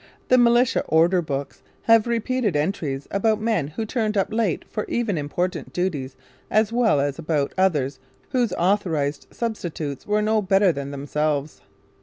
The militia order books have repeated entries about men who turned up late for even important duties as well as about others whose authorized substitutes were no better than themselves.